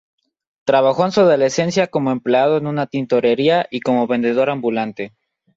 Trabajó en su adolescencia como empleado en una tintorería y como vendedor ambulante.